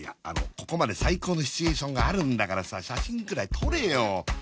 ここまで最高のシチュエーションがあるんだからさ写真くらい撮れよ！